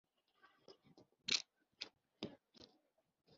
avuga ati abobana bubinjize munzu: